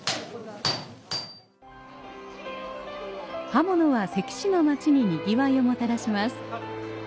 刃物は関市の街に賑わいをもたらします。